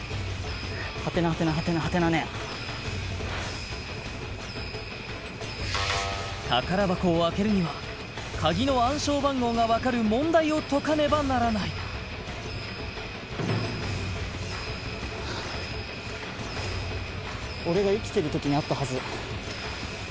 ハテナハテナハテナハテナ年宝箱を開けるには鍵の暗証番号が分かる問題を解かねばならない俺が生きてる時にあったはず